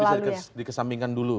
jadi itu bisa dikesampingkan dulu